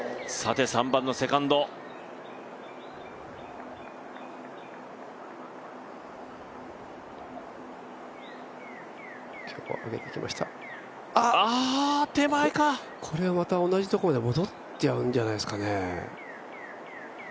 さて３番のセカンド。これはまた同じところへ戻っちゃうんじゃないですかね。